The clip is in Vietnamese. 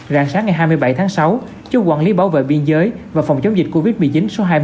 rạng sáng ngày hai mươi bảy tháng sáu chốt quản lý bảo vệ biên giới và phòng chống dịch covid một mươi chín số hai mươi ba